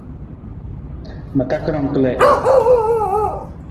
Ma takarang kalii.